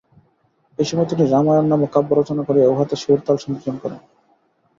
এই সময়ে তিনি রামায়ণ নামক কাব্য রচনা করিয়া উহাতে সুর-তাল সংযোজন করেন।